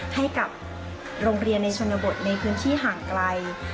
ให้กับโรงเรียนในชนบทในพื้นที่ห่างไกล